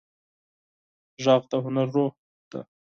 غږ د هنر روح دی